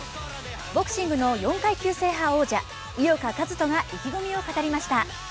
ボクシングの４階級制覇王者井岡一翔が意気込みを語りました。